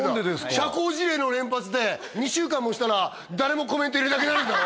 社交辞令の連発で２週間もしたら誰もコメント入れなくなるんだよ！？